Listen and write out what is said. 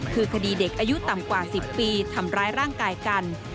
คือคดีเด็กอายุต่ำกว่า๑๐ปีทำร้ายร่างกายกัน